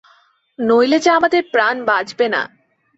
নইলে যে আমাদের প্রাণ বাঁচবে না।